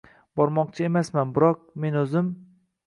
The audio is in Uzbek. Bormoqchi emasman, biroq, men o‘zim